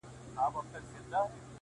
نظم مراعت کړ